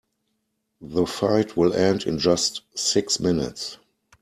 The fight will end in just six minutes.